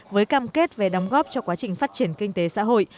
với cam kết về đóng góp cho quá trình phát triển kinh tế xã hội